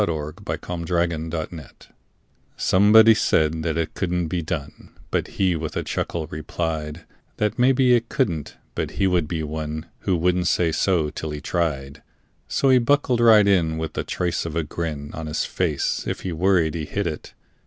37 It Couldn't Be Done Somebody said that it couldn't be done, But he with a chuckle replied That "maybe it couldn't," but he would be one Who wouldn't say so till he'd tried. So he buckled right in with the trace of a grin On his face. If he worried he hid it.